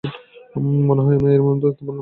মনে হয় আমি এরিমধ্যে তার নামটাও ভুলে গেছি।